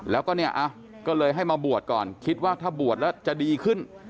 แล้วก็เนี่ยก็เลยให้มาบวชก่อนคิดว่าถ้าบวชแล้วจะดีขึ้น